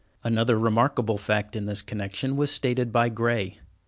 Another remarkable fact in this connection was stated by Gray.